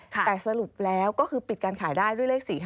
แต่สรุปแล้วก็คือปิดการขายได้ด้วยเลข๔๕